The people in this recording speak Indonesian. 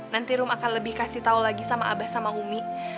nanti rum akan lebih kasih tahu lagi sama abah sama umi